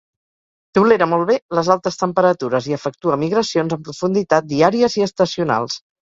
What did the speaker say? Tolera molt bé les altes temperatures i efectua migracions en profunditat diàries i estacionals.